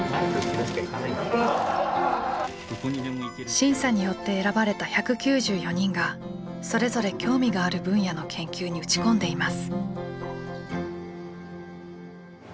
審査によって選ばれた１９４人がそれぞれ興味がある分野の研究に打ち込んでいます。